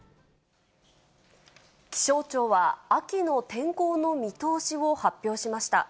気象庁は、秋の天候の見通しを発表しました。